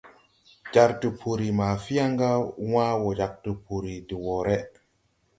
Jar tupuri ma Fianga wãã wo jāg tupuri de woʼré.